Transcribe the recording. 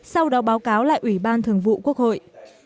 sau đó báo cáo lại ủy ban thường vụ quốc hội